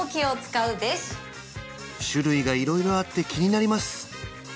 種類が色々あって気になります